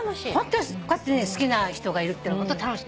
こうやって好きな人がいるってホント楽しい。